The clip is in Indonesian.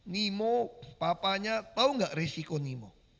nemo papanya tahu nggak resiko nemo